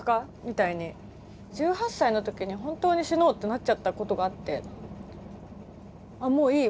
１８歳の時に本当に死のうってなっちゃったことがあって「もういい！